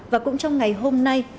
và cũng trong ngày hôm nay